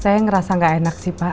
saya ngerasa gak enak sih pak